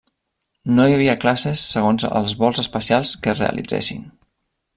No hi havia classes segons els vols espacials que es realitzessin.